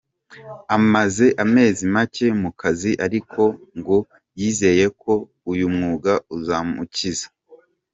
Amaze amezi make mu kazi ari ko ngo yizeye ko uyu mwuga uzamukiza.